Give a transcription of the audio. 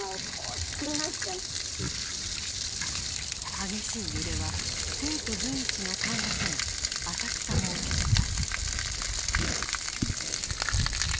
激しい揺れは帝都随一の歓楽街浅草も襲った。